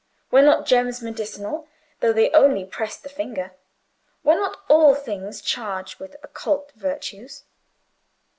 Were not gems medicinal, though they only pressed the finger? Were not all things charged with occult virtues?